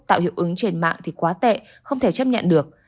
tạo hiệu ứng trên mạng thì quá tệ không thể chấp nhận được